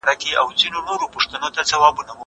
زه به سبا کښېناستل وکړم!